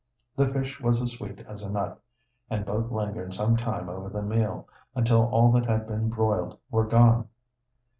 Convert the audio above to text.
The fish was as sweet as a nut, and both lingered some time over the meal, until all that had been broiled were gone.